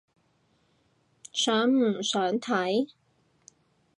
想唔想睇？